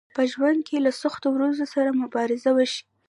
په ژوند کې له سختو ورځو سره مبارزه وشئ